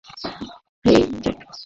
হেই, Jack!